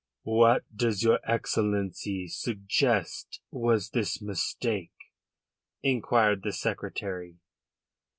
"What does your Excellency suggest was this mistake?" inquired the Secretary.